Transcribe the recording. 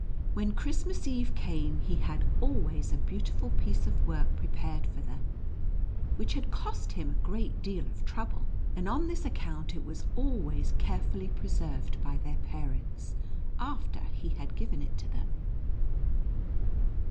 When Christmas Eve came, he had always a beautiful piece of work prepared for them, which had cost him a great deal of trouble, and on this 8 NUTCRACKER AND MOUSE KING. account it was always carefully preserved by their parents, after he had given it to them.